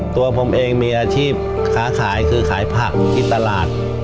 ตัวผมเองมีอาชีพค้าขายคือขายผักอยู่ที่ตลาด